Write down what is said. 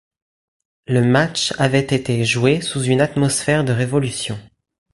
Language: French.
Le match avait été joué sous une atmosphère de révolution.